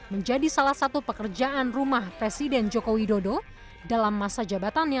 menjadi salah satu pekerjaan rumah presiden joko widodo dalam masa jabatannya